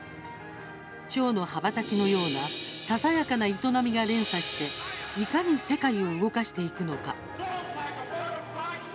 蝶の羽ばたきのようなささやかな営みが連鎖していかに世界を動かしていくのか。